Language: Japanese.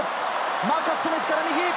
マーカス・スミスから右。